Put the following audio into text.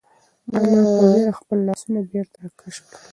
انا په وېره خپل لاسونه بېرته راکش کړل.